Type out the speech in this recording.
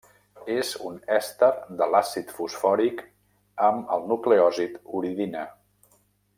És un èster de l'àcid fosfòric amb el nucleòsid uridina.